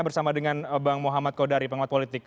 bersama dengan bang muhammad kodari pengamat politik